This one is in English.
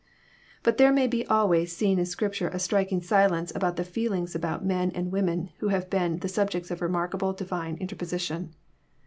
But there may be always seen in Scripture a striking silence about the feelings about men and women who have been the subjects of remarkable Divine interposition.'